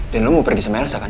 dan lo mau pergi sama elsa kan